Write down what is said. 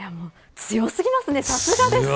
強過ぎますね、さすがですね。